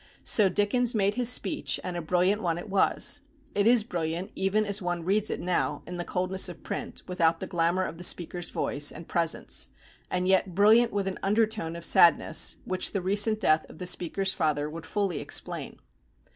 So Dickens made his speech, and a brilliant one it was it is brilliant even as one reads it now, in the coldness of print, without the glamour of the speaker's voice, and presence, and yet brilliant with an undertone of sadness, which the recent death of the speaker's father would fully explain.